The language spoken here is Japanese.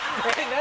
何？